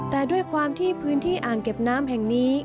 แต่ด้วยความที่พื้นที่อ่างเก็บน้ำแห่งนี้